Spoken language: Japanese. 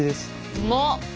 うまっ！